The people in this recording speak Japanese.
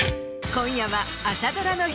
今夜は。